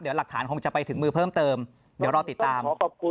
เดี๋ยวหลักฐานคงจะไปถึงมือเพิ่มเติมเดี๋ยวรอติดตาม